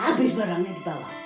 abis barangnya dibawa